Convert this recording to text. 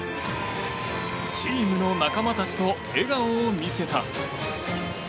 チームの仲間たちと笑顔を見せた。